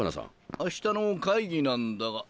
あしたの会議なんだが。